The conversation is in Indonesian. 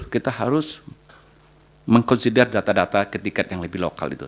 kita harus mengkonsider data data ketika yang lebih lokal itu